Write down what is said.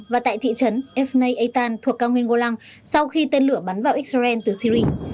và tại thị trấn efnei eitan thuộc cao nguyên golang sau khi tên lửa bắn vào israel từ syri